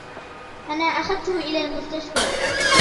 أنا أخذتهُ إلي المستشفي.